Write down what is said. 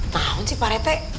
mau sih pak rt